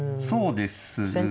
そうですね。